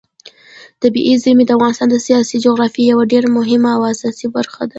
طبیعي زیرمې د افغانستان د سیاسي جغرافیې یوه ډېره مهمه او اساسي برخه ده.